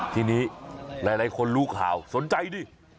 ทีนี้หลายคนรู้ข่าวสนใจดิ